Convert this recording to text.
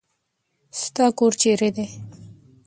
ستا کور چیرې دی؟